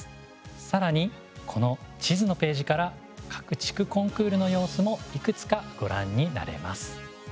さらに、この地図のページから各地区コンクールの様子もいくつかご覧になれます。